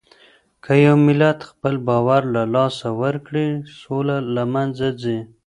که يو ملت خپل باور له لاسه ورکړي، سوله له منځه ځي.